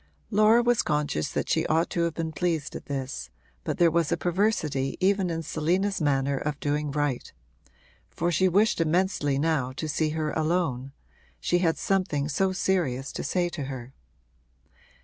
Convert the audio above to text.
Laura was conscious that she ought to have been pleased at this, but there was a perversity even in Selina's manner of doing right; for she wished immensely now to see her alone she had something so serious to say to her.